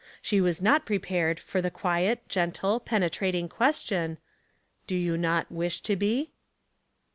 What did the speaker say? She was not prepared for the quiet, gentle, penetrating question, —" Do you not wish to be